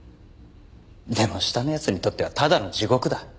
でも下の奴にとってはただの地獄だ。